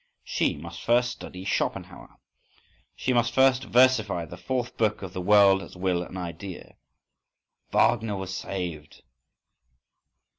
She must first study Schopenhauer. She must first versify the fourth book of "The World as Will and Idea." _Wagner was saved.